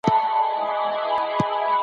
که عصبیت نه وي نظام ماتیږي.